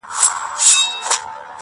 نو ایله یې له کوټې څخه بهر کړ،